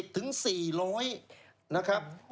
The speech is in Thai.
ถึง๔๐๐นะครับ